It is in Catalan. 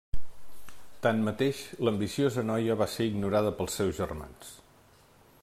Tanmateix, l'ambiciosa noia va ser ignorada pels seus germans.